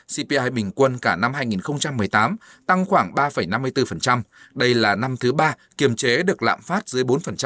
cpi bình quân cả năm hai nghìn một mươi tám tăng khoảng ba năm mươi bốn đây là năm thứ ba kiềm chế được lạm phát dưới bốn